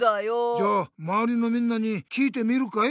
じゃあまわりのみんなに聞いてみるかい？